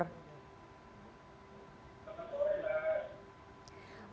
selamat sore mbak